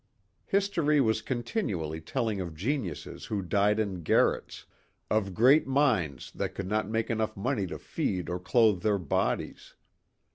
History was continually telling of geniuses who died in garrets, of great minds that could not make enough money to feed or clothe their bodies.